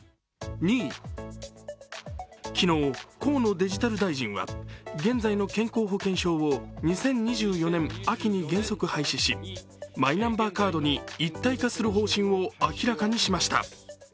昨日、河野デジタル大臣は、現在の健康保険証を２０２４年秋に原則廃止し、マイナンバーカードに一体化する方針を明らかにしました。